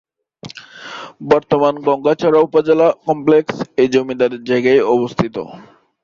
বর্তমান গংগাচড়া উপজেলা কমপ্লেক্স এই জমিদারের জায়গায় অবস্থিত।